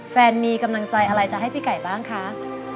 แฟนมีกำลังใจอะไรจะให้พี่ไก่บ้างคะ